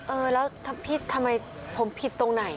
เออแล้วทำไมผมผิดตรงไหน